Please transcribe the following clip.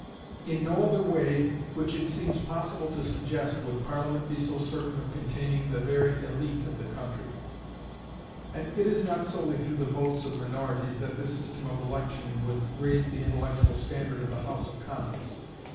In no other way which it seems possible to suggest would Parliament be so certain of containing the very élite of the country. And it is not solely through the votes of minorities that this system of election would raise the intellectual standard of the House of Commons.